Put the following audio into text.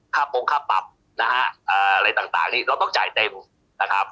ปงค่าปรับนะฮะอะไรต่างนี่เราต้องจ่ายเต็มนะครับ